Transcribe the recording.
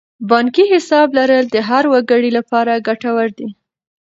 بانکي حساب لرل د هر وګړي لپاره ګټور دی.